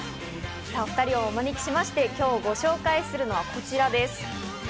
お２人をお招きしまして今日ご紹介するのはこちらです。